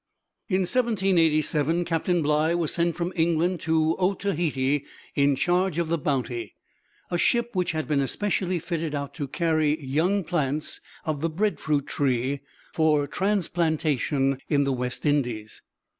In 1787, Captain Bligh was sent from England to Otaheite in charge of the Bounty, a ship which had been especially fitted out to carry young plants of the breadfruit tree for transplantation in the West Indies.